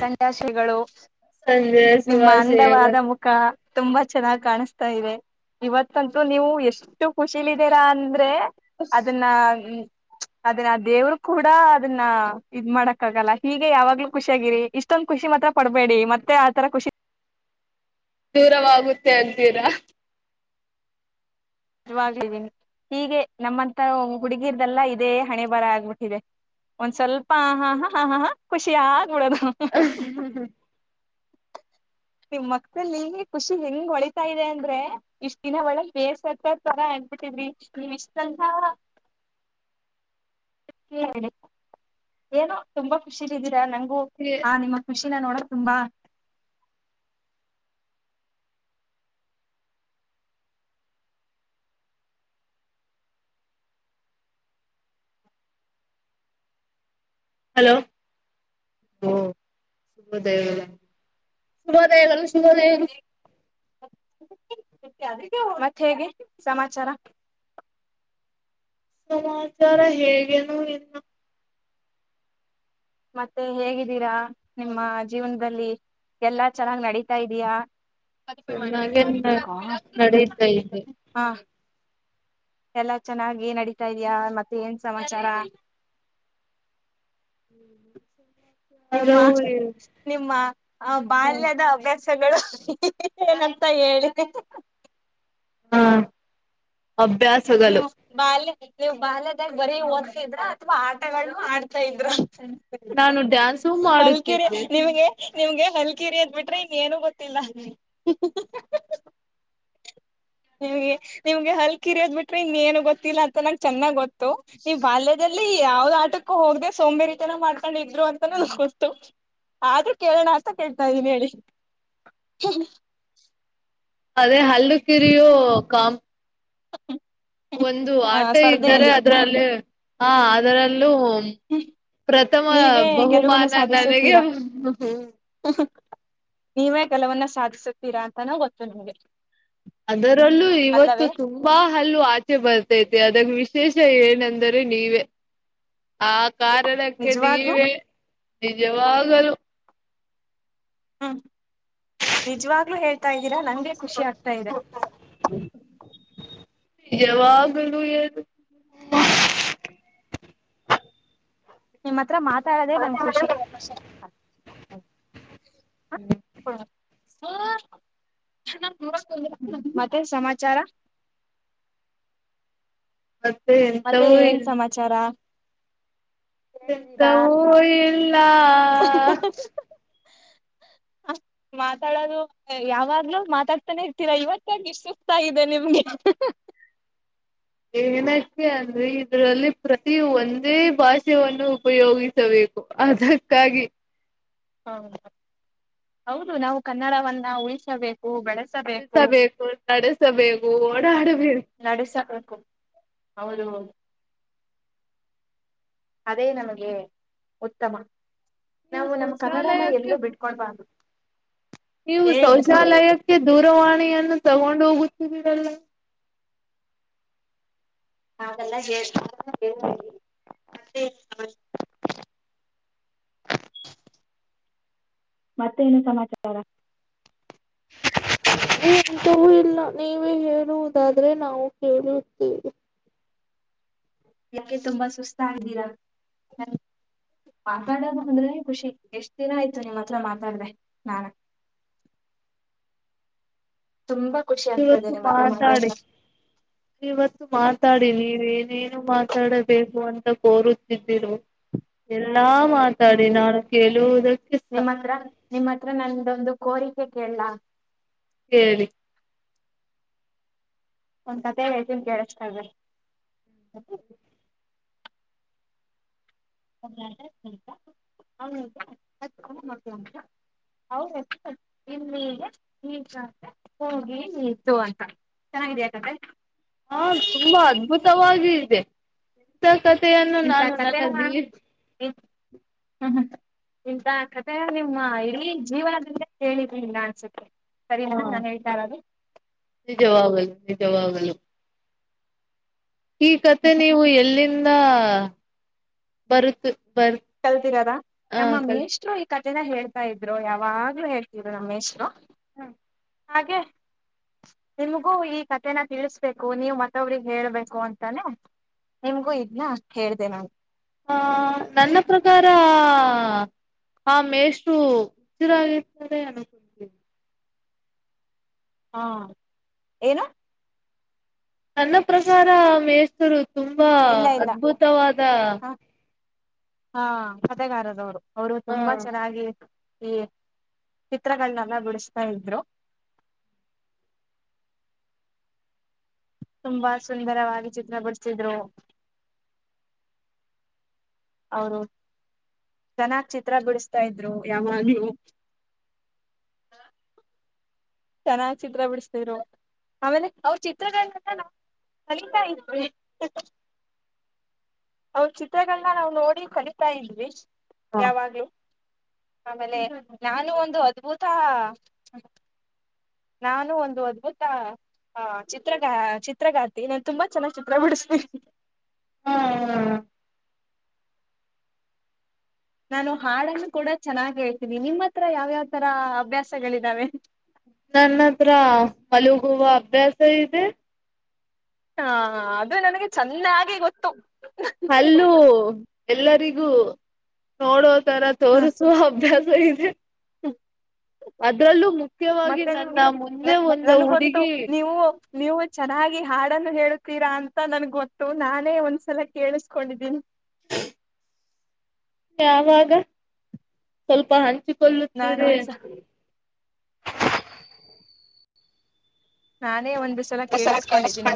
ಸಂಡಾಶಿಗಳು. ಸಂಜೆ ಸುಭಾಷಯಗಳು. ತುಂಬ ಚೆನ್ನಾಗ್ ಕಾಣುಸ್ತಾ ಇದೆ ಇವತ್ತಂತೂ ನೀವು ಎಷ್ಟು ಖುಷಿಲಿದೀರಾ ಅಂದ್ರೇ. ಅದುನ್ನಾ ಮ್ಮ್. ಆದ್ರೆ ಆ ದೇವ್ರು ಕೂಡಾ ಅದುನ್ನ ಇದ್ ಮಾಡಕ್ ಆಗಲ್ಲ ಹೀಗೆ ಯಾವಾಗ್ಲೂ ಖುಷ್ ಖುಷ್ಯಾಗಿರಿ ಇಷ್ಟೊಂದು ಖುಷಿ ಮಾತ್ರಪಡ್ಬೇಡಿ ಮತ್ತೆ ಆ ತರ ಖುಷಿ ದೂರವಾಗುತ್ತೆ ಅಂತೀರಾ. ಜ್ವಗ್ಲುದ್ದೀನಿ ಹೀಗೆ ನಮ್ಮಂತ ಹುಡ್ಗಿರ್ದೆಲ್ಲಾ ಇದೇ ಹಣೆ ಬರ ಆಗ್ಬುಟ್ಟಿದೆ ಒಂದ್ ಸ್ವಲ್ಪ ಹ ಹಾ ಹ ಹ ಹ ಖುಷಿಯಾಗ್ ನೋಡನ ಹಃ ಹ. ನಿಮ್ ಮಕ್ದಲ್ಲಿ ಖುಷಿ ಹೆಂಗ್ ಹೊಳಿತಾ ಇದೆ ಅಂದ್ರೆ ಇಷ್ಟ ದಿನ ಒಳಗ್ ಬೇಸ್ ತರ ಆಗ್ಬಿಟ್ಟಿದ್ರಿ ನೀವ್ ನೀವ್ ಇಷ್ಟಂತ. [unintelligible] ಏನೋ ತುಂಬಾ ಖುಷಿಲ್ ಇದ್ದೀರಾ ಅನಂಗ್ ಓ ಹ ನಿಮ್ಮ ಖುಷಿ. ನಿನ್ನ ನೋಡಕ್ ತುಂಬಾ. ಹಲೋ ವೊ ಶುಭೋದಯ. ಗಳು ಏನು. [unintelligible] ಮತ್ ಹೇಗೆ ಸಮಾಚಾರ. ಸಮಾಚಾರ ಹೇಗೇನು ಇನ್ನ. ಮತ್ತೆ ಹೇಗಿದ್ದೀರಾ ನಿಮ್ಮ ಜೀವ್ನದಲ್ಲಿ ಎಲ್ಲಾ ಚೆನ್ನಾಗ್ ನಡೀತಾ ಇದ್ಯಾ. ಚೆನ್ನಾಗೆ ನಡೀತಾ ಇದೆ [unintelligible] ಹಾ. ಎಲ್ಲಾ ಚೆನ್ನಾಗಿ ನಡಿತಾ ಇದ್ಯಾ ಮತ್ತೆ ಏನ್ ಸಮಾಚಾರ. ನಿಮ್ಮ ನಿಮ್ಮ ಆ ಬಾಲ್ಯದ ಅಭ್ಯಾಸ ಸಗಳು ಏನಂತ ಹೇಳಿ. ಹಾ. ನೀವು ಬಾಲ್ಯ. ನೀವ್ ಬಾಲ್ಯದಾಗ್ ಬರೀ ಓದ್ತಿದ್ರ ಅಥವಾ ಆಟಗಳನ್ನು ಆಡ್ತಾ ಇದ್ರ. ನಾನು ಡ್ಯಾನ್ಸು ಹಲ್ಕಿರಿ ಮಾಡುತ್ತಿದ್ದೆ. ನಿಮ್ಗೆ ನಿಮ್ಗೆ ಹಲ್ಕಿರಿ ಅದ್ ಬಿಟ್ರೆ ಇನ್ನೇನು ಗೊತ್ತಿಲ್ಲ ಹಃ ಹಃ ಹ ನಿಮ್ಗೆ ನಿಮ್ಗೆ ಹಲ್ಕಿರಿ ಅದ್ ಬಿಟ್ರೆ ಟ್ರೆ ಇನ್ ಏನು ಗೊತ್ತಿಲ್ಲ ಅಂತ ನಂಗ್ ಚೆನ್ನಾಗ್ ಗೊತ್ ತೊ ನೀವ್ ಬಾಲ್ಯದಲ್ ಲ್ಲಿ ಯಾವ್ದ್ ಆಟಕ್ಕೂ ಹೋಗ್ದೆ ಸೋಂಬೇರಿತನ ಮಾಡ್ ಕಂಡಿದ್ರು ಅಂತನು ನಂಗ್ ಗೊತ್ತು. ಆದ್ರೂ ಕೇಳೋಣ ಅಂತ ಕೇಳ್ತಾ ಇದೀನಿ ಹೇಳಿ. ಅದೇ ಹಲ್ಲು ಕಿರಿಯೋ ಕಾಮ್ ಒಂದು ಹ ಆಟ ಇದ್ದಾರೆ ಸ್ಪರ್ಧೆಯಲ್ಲಿ ಅದ್ರಲ್ಲಿ. ಹಾ ಅದರಲ್ ಲು ಪ್ರಥಮ ನೀವೇ ಗೆಲುವನ್ನು ಬಹುಮಾನ ನನಗೆ. ಸಾಧಿಸುತ್ತೀರಾ ನೀವೇ ಕೆಲವನ್ನ ಸಾಧಿಸುತ್ತೀರಾ ಅಂತಾನು ಗೊತ್ತು ನಮ್ಗೆ. ಅದರಲ್ಲೂ ಇವತ್ತು ತುಂಬಾ ಹಲ್ಲು ಆಚೆ ಬರ್ತೈತೆ ಅದಾಗ್ ವಿಶ್ ಶೇಷ ಏನಂದರೆ ನೀವೇ. ಆ ಕಾರಣಕ್ಕೆ ನಿಜವಾಗ್ಲೂ ನೀವೇ. ನಿಜವಾಗಲು. ಹ್ಮ. ನಿಜವಾಗ್ಲೂ ಹೇಳ್ತಾ್ದೀರಾ ನಂಗೆ ಖುಷಿ ಆಗ್ತಾ ಇದೆ ನಿಜವಾಗಲು ನು ನಿಮ್ಮತ್ರ ಮಾತಾಡದೆೇ ನಮ್ ಖುಷಿ ಹಾ ಹಓ ನ ಮತ್ತೆ ಸಮಾಜ ಚಾರ ಮತ್ತೆ ಎಂತವೂ ಇ ಹೇಗಿದ್ದೀರಾ ಎಂತವೋಲ್ಲಾ ಅ ಮಾತಾಡೋದು ಯಾವಾಗ್ಲೂ ಮಾತಾಡ್ತಾನೆ ಇರ್ತೀರಾ ಇವತ್ತ ಇಷ್ಟ ಸುತಗಾಗಿದೆ ನಿಮ್ಗೆ ಏನಕ್ಕೆ ಅಂದ್ರೆ ಇದ್ರಲ್ಲಿ ಪ್ರತಿ ಒಂದೇ ಭಾಷೆಯನ್ನು ಉಪಯೋಗಿಸಬೇಕು ಅದಕ್ಕಾಗಿ ಹೌದು ಹೌದು ನಾವು ಕನ್ನಡವನ್ನ ಉಳಿಸಬೇಕು ಬೆಳೆಸ ಿಸಬೇಕು ನಡೆಸಬೇಕು ಓಡ ಆಡು ನಡೆಸಬೇಕು ಹೌದು ಅದೇ ನಮಗೆ ಉತ್ತಮ ನೀವು ನಾವು ನಮ್ಮ ಕನ್ನಡನ ಶೌಚಾಲಯಕ್ಕೆ ಎಲ್ಲೂ ಬಿಟ್ಕೊಡ್ಬಾರ್ದು ನೀವು ಏ ಶೌಚಾಲಯಕ್ಕೆ ದೂರವಾಣಿ ನ್ನು ತಗೊಂಡು ಹೋಗುತ್ತಿದ್ದೀರಲ್ಲ ಹಾಗದೆೆಲ್ಲ ಮತ್ತೇನು ಸಮಾಚಾರ ಎಂತೂ ಇಲ್ಲ ನೀವೇ ಹೇಳುವುದಾದ್ರೆ ನಾವು ಕೇಳುತ್ತೇವೆ ಯಾಕೆ ತುಂಬಾ ಸುಸ್ತ ಇದ್ದೀರಾ ಪಾಪಾಡಬೇಕ ಅಂದ್ರೆ ಖುಷಿ ಎಷ್ಟು ದಿನ ಆಯ್ತು ನಿಮ್ಮ ಹತ್ರ ಮಾತಾಡ್ದ ನಾನ ಆಗ್ತಾ ಇದೆ ಇವತ್ತು ನಿಮ್ ಹತ್ರ ಮಾತಾಡಿ ಮಾತಾಡ್ತಾ ಇವತ್ತು ಮಾತಾಡಿ ನೀವ ಏನೇನು ಮಾತಾಡಬೇಕು ಅಂತ ಕೋರುತ್ತಿದ್ದೀರು ನಾ ಹ್ಮ್ ಮಾತಾಡಿ ನಾನು ಕೇಳುವುದಕ್ಕೆ ಒೊಂದು ಕೋರಿಕೆ ಕೇಳಲ ಸರಿ ಒಂದ್ ಕಥತನ್ಗೆ ಎಷ್ಟ ನೇಿತ ಅವನಿಗೆ ಹ ಮಕ್ಕಳು ಅಂತ ಅವ ಇಲ್ಲಿಗೆ ಹೋಗಿ ನೀತ್ತು ಅಂತ ಚೆನ್ನಾಗಿದೆ ಯಾಕಂದ್ರೆ ಹಾ ತುಂಬಾ ಅದ್ಭುತವ ಇದೆಂತ ಕತೆ ಅನ್ನು ಇಂತ ನಾನು ನ ಕತೆನ ನದೀ ಇಂತ ಕಥೆ ನಿಮ್ಮ ಇಡೀ ಜೀವನದಿಂದ ಕೇಳಿದಿ ಇಲ್ಲ ಅನ್ಸುತ್ತೆ ಸರಿ ಅಣ ಹಾ ನಾನು ಹೇಳ್ತಾರದು ನಿಜವಾಗಲೂ ಈ ಕತೆ ನೀವು ಎಲ್ಲಿಂನ್ ತಾ ಬರುತ್ ಬರ್ ಕಲ್ತಿದರ ಆ ನಮ್ಮ ಕಲ್ ಮೇಸ್ಟ್ರು ಈ ಕ ಇದನ್ನ ಹೇಳ್ತಾ ಇದ್ರು ಯಾವಾಗ್ಲೂ ಹೇಳ್ತಿದ್ರು ನಮ್ಮೇಷ್ಟ್ರು. ಹ್ಮ. ಹಾಗೆ ನಿಮ್ಗೂ ಈ ಕಥೆನ ತಿಳಿಸ್ಬೇಕು ನೀವ್ ಮತ್ತೊಬ್ರಿಗ್ ಹೇಳ್ಬೇಕು ಅಂತಾನೆ ನಿಮ್ಗೂ ಇದನ್ನ ಹೇಳ್ದೆ ನಾನು. ಆ ನನ್ನ ಪ್ರಕಾರ ಆ ಮೇಷ್ಟು ಹಸಿರಾಗಿರ್ತಾರೆ. [unintelligible] ಹಾ ಏನು. ನನ್ನ ಪ್ರಕಾರ ಆ ಮೇಸ್ತರು. ತುಂಬಾ ಇಲ್ಲ ಇಲ್ಲ ಅದ್ಭುತವಾದ. ಹಾ ಹಾ ಕತೆಗಾರದವ್ರು. ಅವ್ರು ಹ ತುಂಬಾ ಚೆನ್ನಾಗಿ. ಈ ಚಿತ್ರಗಳನ್ನಲ್ಲೆ ಬಿಡುಸ್ತಾ ಇದ್ರು. ತುಂಬಾ ಸುಂದರವಾಗಿ ಚಿತ್ರ ಬಿಡ್ಸಿದ್ರು. ಅವ್ರು ಚೆನ್ನಾಗ್ ಚಿತ್ರ ಬಿಡುಸ್ತಾ ಇದ್ರು ಯಾವಾಗ್ಲು. ಆಮೇಲೆ ಅವ್ರ ಚಿತ್ರಗಳ್ನೆಲ್ಲ ನಮ್ ಕಲಿತಾ ಇದ್ವಿ, ಅವ್ರ್ ಚಿತ್ರಗಳನ್ನ ನಾವ್ ನೋಡಿ ಕಲಿತಾ ಇದ್ವಿ. ಹ ಯಾವಾಗ್ಲೂ. ಆಮೇಲೆ ನಾನು ಒಂದು ಅದ್ಭುತಾ ನಾನು ಒಂದು ಅದ್ಭುತ ಆಹ್ ಚಿತ್ರ ಚಿತ್ರಗಾರ್ತಿ ನಾನ್ ತುಂಬಾ ಚೆನ್ನಾಗ್ ಚಿತ್ರ ಬಿಡಿಸ್ತೀನಿ. ಹ್ಮ್ ಹ್ಮ್ ನಾನು ಹಾಡನ್ನು ಕೂಡ ಚೆನ್ನಾಗ್ ಹೇಳ್ತೀನಿ ನಿಮ್ಮ ಹತ್ರ ಯಾವ್ಯಾವ್ ತರ ಅಭ್ಯಾಸಗಳಿದಾವೆ. ನನ್ನ ಹತ್ರ ಮಲಗುವ ಅಭ್ಯಾಸ ಇದೆ. ಹಾ ಅದು ನನಗೆ ಚೆನ್ನಾಗಿ ಗೊತ್ತು. ಹಲ್ಲೂ ಎಲ್ಲರಿಗೂ ನೋಡೋ ತರ ತೋರಿಸೊ ಅಭ್ಯಾ [unintelligible] ಹ್ ಮುಖ್ಯವಾಗಿ ಮತ್ತೆ ನನ್ನ ನಿಮ್ಗೆ ನ ಮುಂದೆ ಒಂದು ನನ್ಗೊತ್ತು ಹುಡುಗಿ ನೀವು ನೀವು ಚೆನ್ನಾಗಿ ಹಾಡನ್ನು ಹೇಳುತೀರಾ ಅಂತ ನನ್ಗ್ ಗೊತ್ತು ನಾನೇ ಒಂದ್ಸಲ ಕೇಳಿಸ್ಕೊಂಡಿದ್ದೀನಿ. [unintelligible] ಯಾವಾಗ ಸ್ವಲ್ಪ ಹಂಚಿ ನಾನು ಒಂದ್ಸ ನಾನೇ ಒಂದು ಸಲ ಕೇಳಿಸ್ಕೊಂಡಿದ್ದೀನಿ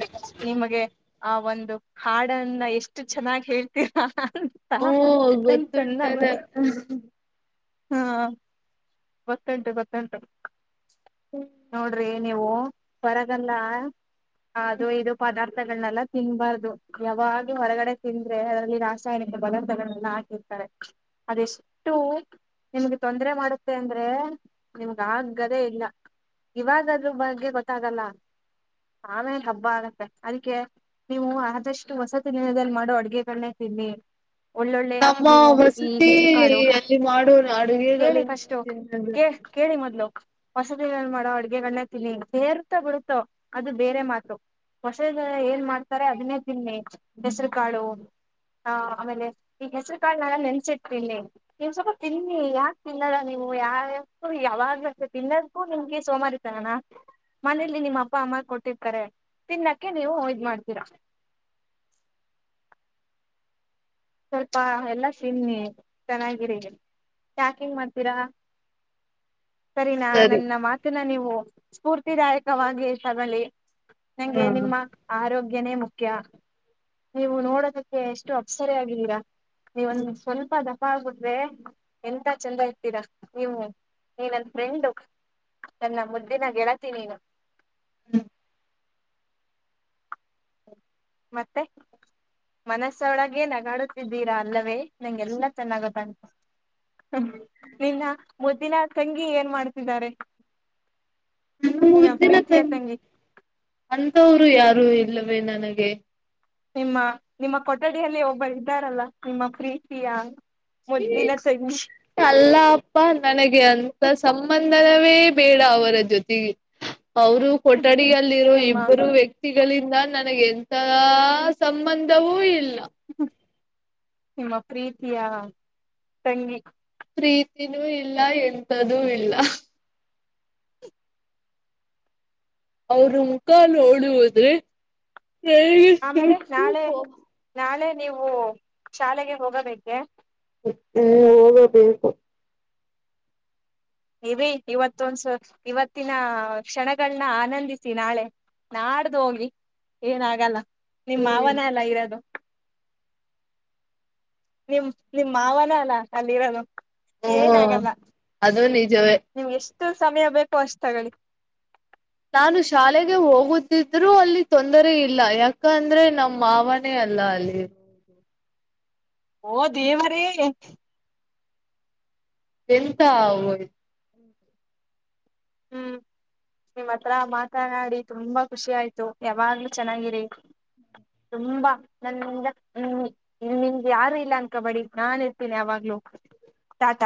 ನಿಮಗೆ ಆ ಒನ್ ಹಾಡನ್ನ ಎಷ್ಟು ಚೆನ್ನಾಗ್ ಹೇಳ್ತೀರ ಹ ಹ ಓ ಗೊತ್ತುಂಟಲ್ಲ [unintelligible] ಹಾ ಗೊತ್ತುಂಟು ಗೊತ್ತುಂಟು ನೋಡ್ರಿ ನೀವು ಹೊರಗಲ್ಲಾ ಅದು ಇದು ಪದ ಗಳನೆಲ್ಲ ತಿನ್ಬಾರ್ದು ಯಾವಾಗ ಹೊರಗಡೆ ತಿಂದ್ರೆ ಅದರಲ್ಲಿ ರಾಸ್ [unintelligible] ಇರ್ತಾರೆ ಅದೆಷ್ಟು ನಿಮ್ಗೆ ತೊಂದರೆ ಮಾಡುತ್ತೆ ಅಂದ್ರೆ ನಿಮ್ಗ ಆಗದೆೇ ಇಲ್ಲ ಇವಾಗದ್ರ ಬಗ್ಗೆ ಗೊತ್ತ ಗೊತ್ತಾಗಲ್ಲ ಆಮೇಲೆ ಹಬ್ಬ ಆಗತ್ತೆ ಅದಕ್ಕೆ ನೀವು ಆದಷ್ಟು ಹೊಸತಿ ತಿನದಲ್ಲಿ ಮಾಡು ಅಡ್ಗೆನೇ ತಿನ್ನಿ ಒಳ್ಳೊಳ್ಳೆ ನಮ್ಮ ನೀವು ಈ ವಸತಿ ಹೆಸರು ಕಾಳು ಅಲ್ಲಿ ಮಾಡೋ ಕೇಳಿ ಅಡುಗೆಗಲ್ಲ ನೀವ ತಿ ಹೊಸದ ಏನ್ ಮಾಡುವ ಅಡ್ಗೆಗಳಣ್ಣೆ ತಿನಿ ಬೇರ್ ಇತೋ ಬಿಡುತ್ತೋ ಅದು ಬೇರೆ ಮಾತು ಹೊಸದ ಏನ್ ಮಾಡ್ತಾರೆ ಅದನ್ನೇ ತಿನ್ನಿ ಹೆಸರು ಕಾಳು ಹಾ ಆಮೇಲೆ ಈ ಹೆಸರು ಕಾಳ ನಳ ನೆನ್ಸಿಡ್ತೀನ್ನಿ ನೀವ್ ಸ್ವಲ್ಪ ತಿನ್ನಿ ಯಾಕೆ ತಿನ್ನದ ನೀವು ಯಾಕು ಯಾವಾಗ್ಲ ತಿನ್ನೋದಕ್ಕೂ ನಿಮ್ಗೆ ಸೋಮಾರಿ ತಗಣ ಮನೇಲಿ ನಿಮ್ಮ ಅಪ್ಪ ಅಮ್ಮ ಕೊಟ್ಟಿರ್ತಾರೆ ತಿನ್ನಕ್ಕೆ ನೀವು ಇದ್ ಮಾಡ್ತೀರಾ ಸ್ವಲ್ಪ ಎಲ್ಲಾ ತಿನ್ನಿ ಚೆನ್ನಾಗಿರಿ ಪ್ಯಾಕಿಂಗ್ ಮಾಡ್ತೀರಾ ಸರಿನಾ ಸರಿ ನನ್ನ ಮಾತಿನ ನೀವು ಸ್ಫೂರ್ತಿದಾಯಕವಾಗಿ ತಗಳಿ ಹಾ ನಂಗೆ ನಿಮ್ಮ ಆರೋಗ್ಯನೇ ಮುಖ್ಯ ಕ್ಯ ನೀವು ನೋಡೋದಕ್ಕೆ ಎಷ್ಟು ಅಪ್ಸರ ಆಗಿದ್ದೀರಾ ನೀ ಒಂದ ಸ್ವಲ್ಪ ದಪ್ಪ ಬಡ್ರೆ ಎಂತ ಚಂದ ಇರ್ತೀರಾ ನೀವು ನೀ ನನ್ ಫ್ರೆಂಡು ನನ್ನ ಮುದ್ದಿನ ಗೆಳತೀನ ನೀನು ಹ್ಮ್ ಮತ್ತೆ ಮನಸ್ಸೊಳಗೆೇ ನಗಾಡುತ್ತಿದ್ದೀರಾ ಅಲ್ಲವೇ ನಿಂಗೆಲ್ಲಾ ಚೆನ್ನಾಗದ ಉಂಟ ಹ್ಮ ನಿನ್ನ ಮುದ್ದಿನ ತಂಗಿ ಏನ್ ಮಾಡ್ತಿದ್ದಾರೆ ನ ನಿನ್ನ ಮುಗ್ದಿನ ಪ್ರೀತಿಯ ತಂಗಿ ಅಂತವ್ರು ಯಾರು ಇ ಇಲ್ಲವೇ ನನಗೆ ನಿಮ್ಮ ನಿಮ್ಮ ಕೊಠಡಿಯಲ್ಲಿ ಒಬ್ಬರು ಇದ್ದಾರಲ್ಲ ನಿಮ್ಮ ಪ್ರೀತಿಯ ಮುದ್ದಿನ ತಂಗಿ ಅಲ್ಲ ಅಪ್ಪ ನನಗೆ ಅಂತ ಸಂಬಂಧ ಧವೇ ಬೇಡ ಅವರ ಜೊತೆಗೆ ಅವರು ಕೊಠಡಿಗಲ್ಲಿರೋ ನಿಮ್ಮ ಇಬ್ಬರು ವ್ಯಕ್ತಿ ಈಗಳಿಂದ ನನಗೆ ಎಂತ ಸಂಬಂಧವೂ ಇಲ್ಲ ನಿಮ್ಮ ಪ್ರೀತಿಯ ತಂಗಿ ಪ್ರೀತಿನೂ ಇಲ್ಲ ಎಂತದ್ದು ಇಲ್ಲ ಅವ್ರ ಮುಖ ಓಡುವುದೆ ಹೇಗೆ ಆಮೇಲೆ ನಾಳೆ [unintelligible] ನಾಳೆ ನೀವು ಶಾಲೆಗೆ ಹೋಗಬೇಕೆ ಹ್ಮ ಹೋಗಬೇಕು ಇರಿ ಇವತ್ತೊಂದ್ಸ ಇವತ್ತಿನ ಕ್ಷಣಗಳನ್ನ ಆನಂದಿಸಿ ನಾಳೆ ನಾಡ್ದು ಹೋಗಿ ಏನಾಗಲ್ಲ. ನಿಮ್ ಹ್ಮ್ ಮಾವನೆ ಅಲ್ಲ ಇರೋದು. ನಿಮ್ ನಿಮ್ ಮಾವನೆ ಅಲ ಅಲ್ಲಿರೋದು. ಹ್ಮ್ ಏನಾಗಲ್ಲ ಅದು ನಿಜವೇ ಟು ಸಮಯ ಬೇಕೊ ಅಷ್ಟ್ ತಗಳಿ ನಾನು ಶಾಲೆಗೆ ಹೋಗುತ್ತಿದ್ರು ಅಲ್ಲಿ ತೊಂದರೆ ಇಲ್ಲ ಯಾಕ ಅಂದ್ರೆ ನಮ್ಮ ಮಾವನೇ ಅಲ್ಲ ಅಲ್ಲಿ ಓ ದೇವರೇ ಎಂತ ಓಯ್ ಹ್ಮ್ ನಿಮ್ಮ್ ಹತ್ರ ಮಾತನಾಡಿ ತುಂಬಾ ಖುಷಿ ಆಯ್ತು ಯಾವಾಗ್ಲು ಚೆನ್ನಾಗಿರಿ ತುಂಬಾ ನನ್ನಿಂದ ಹ್ ನಿಮ್ಗೆ ಯಾರು ಇಲ್ಲ ಅನ್ಕಬಡಿ ನಾನ್ ಇರ್ತೀನಿ ಯಾವಾಗ್ಲು ತಾಟ.